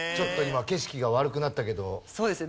そうですね。